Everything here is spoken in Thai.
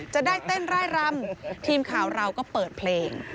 จะได้เต้นร่ายรำทีมข่าวเราก็เปิดเพลง